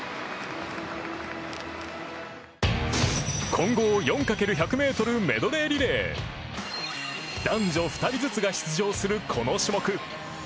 混合４×１００ｍメドレーリレー男女２人ずつが出場するこの種目。